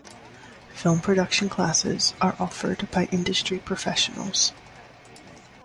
Film production classes are offered by industry professionals.